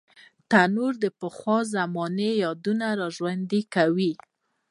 تنور د پخوا زمانې یاد راژوندي کوي